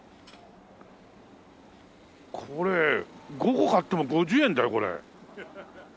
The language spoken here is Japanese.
これ５個買っても５０円だよこれ。